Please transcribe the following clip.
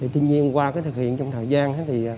tuy nhiên qua thực hiện trong thời gian